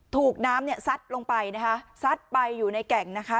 ถูกน้ำเนี่ยซัดลงไปนะคะซัดไปอยู่ในแก่งนะคะ